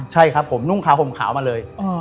ใช่ครับผมนุ่งขาวห่มขาวมาเลย